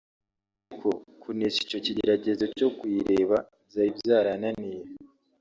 ariko kunesha icyo kigeragezo cyo kuyireba byari byarananiye